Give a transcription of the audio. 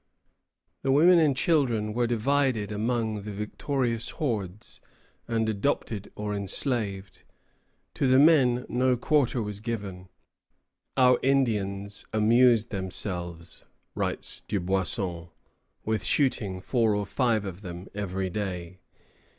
The women and children were divided among the victorious hordes, and adopted or enslaved. To the men no quarter was given. "Our Indians amused themselves," writes Dubuisson, "with shooting four or five of them every day."